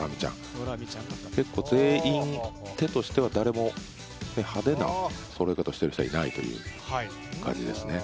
全員、手としては誰も派手なそろえ方してる人はいないという感じですね。